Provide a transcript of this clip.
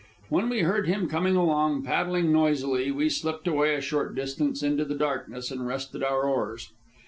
When we heard him coming along, paddling noisily, we slipped away a short distance into the darkness and rested on our oars.